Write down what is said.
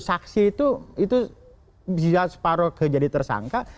saksi itu bisa separoh ke jadi tersangka